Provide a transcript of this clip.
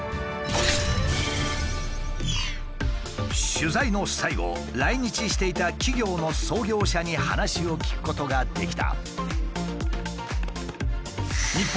取材の最後来日していた企業の創業者に話を聞くことができた。